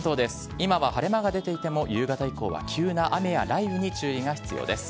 今は晴れ間が出ていても、夕方以降は急な雨や雷雨に注意が必要です。